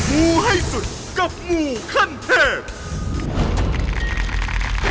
มูให้สุดกับมูคันเทพ